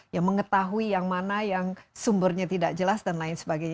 ya mengetahui yang mana yang sumbernya tidak jelas dan lain sebagainya